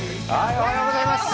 おはようございます。